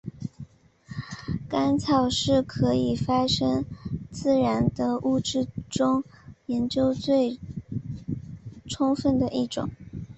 干草是可以发生自燃的物质中研究最充分的一种。